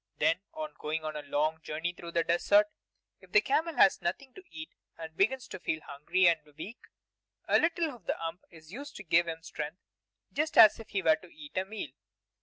Then, on going on a long journey through the desert, if the camel has nothing to eat and begins to feel hungry and weak, a little of the hump is used up to give him strength, just as if he were to eat a meal.